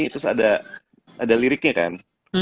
terus ada liriknya kan